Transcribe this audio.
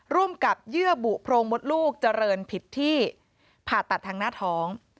ร่วมกับเยื่อบุโพรงมดลูกเจริญผิดที่ผ่าตัดทางหน้าท้อง